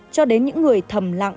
cho đến những người thầm lặng